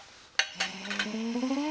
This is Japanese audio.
へえ！